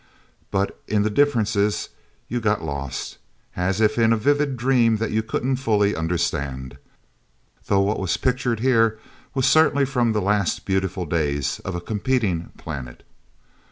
But in the differences you got lost, as if in a vivid dream that you couldn't fully understand. Though what was pictured here was certainly from the last beautiful days of a competing planet.